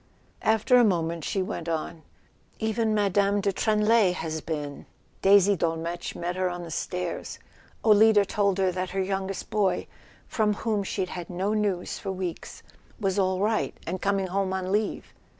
After a moment she went on: "Even Mme. de Tranlay's been; Daisy de [ 241 ] A SON AT THE FRONT Dolmetsch met her on the stairs. Olida told her that her youngest boy, from whom she'd had no news for weeks, was all right, and coming home on leave.